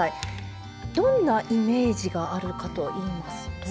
どんなイメージがあるかといいますと？